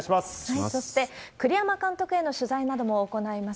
そして、栗山監督への取材なども行います